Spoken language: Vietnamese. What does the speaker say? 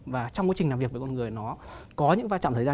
và trong quá trình làm việc với con người nó có những va chạm xảy ra